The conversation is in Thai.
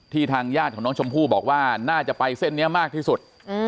ทางญาติของน้องชมพู่บอกว่าน่าจะไปเส้นนี้มากที่สุด